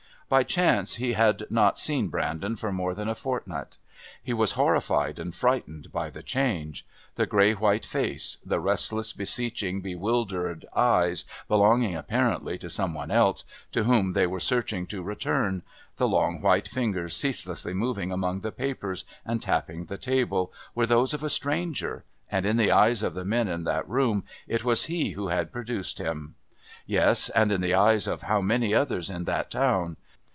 By chance he had not seen Brandon for more than a fortnight. He was horrified and frightened by the change. The grey white face, the restless, beseeching, bewildered eyes belonging apparently to some one else, to whom they were searching to return, the long white fingers ceaselessly moving among the papers and tapping the table, were those of a stranger, and in the eyes of the men in that room it was he who had produced him. Yes, and in the eyes of how many others in that town?